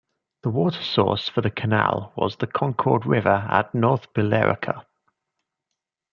The water source for the canal was the Concord River at North Billerica.